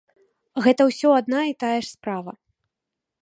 Гэта ўсё адна і тая ж справа.